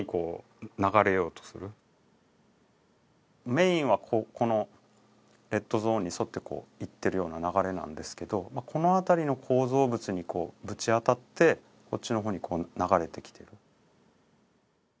メインはこのレッドゾーンに沿って行っているような流れなんですけどこの辺りの構造物にぶち当たってこっちの方に流れてきている。